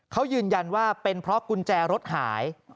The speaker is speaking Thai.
เขายืนยันว่าเป็นเพราะกุญแจรถหาย